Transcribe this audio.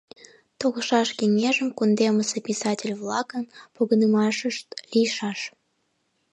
Толшаш кеҥежым кундемысе писатель-влакын погынымашышт лийшаш.